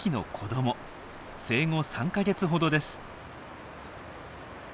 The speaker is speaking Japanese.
生後３か月ほどです。